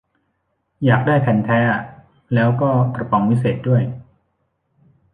อยากได้แผ่นแท้อะ แล้วก็กระป๋องวิเศษด้วย